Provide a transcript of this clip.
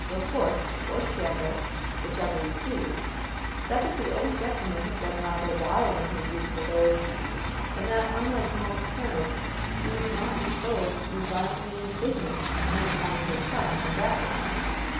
Report, or scandal, whichever you please, said that the old gentleman had been rather wild in his youthful days, and that, unlike most parents, he was not disposed to be violently indignant when he found that his son took after him.